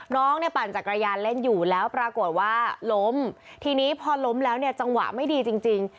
น้องเนี่ยปั่นจักรยานเล่นอยู่แล้วปรากฏว่าล้มทีนี้พอล้มแล้วเนี่ยจังหวะไม่ดีจริงจริง